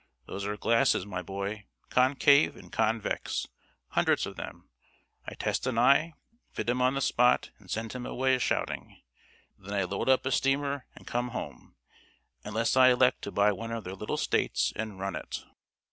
"Those are glasses, my boy, concave and convex, hundreds of them. I test an eye, fit him on the spot, and send him away shouting. Then I load up a steamer and come home, unless I elect to buy one of their little States and run it."